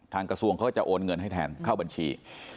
กระทรวงเขาจะโอนเงินให้แทนเข้าบัญชี